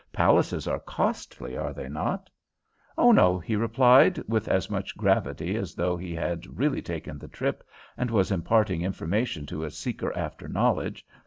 "Palaces are costly, are they not?" "Oh no," he replied, with as much gravity as though he had really taken the trip and was imparting information to a seeker after knowledge.